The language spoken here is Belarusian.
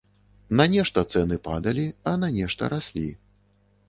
На нешта цэны падалі, а на нешта раслі.